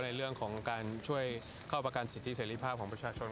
ในเรื่องของการช่วยเข้าประกันสิทธิเสรีภาพของประชาชน